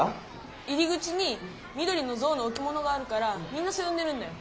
入り口にみどりのゾウのおきものがあるからみんなそうよんでるんだよ。